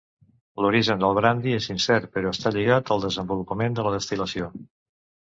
L'origen del brandi és incert, però està lligat al desenvolupament de la destil·lació.